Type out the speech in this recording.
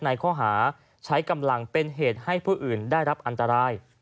ในข้อหาใช้กำลังเป็นเหตุให้ผู้อื่นได้รับอันตราย